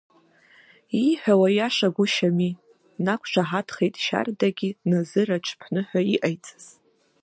Ииҳәауа иашагәышьами, днақәшаҳаҭхеит Шьардагьы назыр аҽԥныҳәа иҟаиҵаз.